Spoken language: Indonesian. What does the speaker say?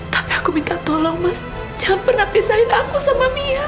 tapi aku minta tolong mas jangan pernah pisahin aku sama mia